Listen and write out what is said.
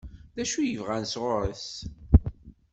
D acu i bɣan sɣur-s?